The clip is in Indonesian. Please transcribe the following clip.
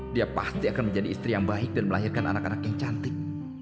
dia pasti akan menjadi istri yang baik dan melahirkan anak anak yang cantik